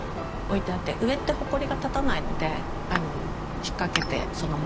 上ってほこりが立たないので引っ掛けてそのまま。